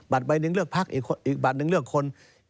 ใบหนึ่งเลือกพักอีกบัตรหนึ่งเลือกคน